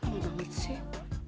lama banget sih